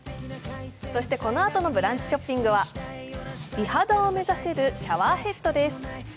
そしてこのあとの「ブランチショッピング」は美肌を目指せるシャワーヘッドです。